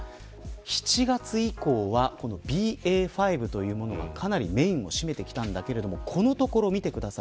７月以降はＢＡ．５というものがかなりメーンを占めてきたんだけれどもこのところ見てください